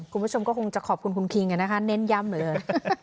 คุณผู้ชมก็คงจะขอบคุณคุณคิงเนี่ยนะคะเน้นย่ำเลย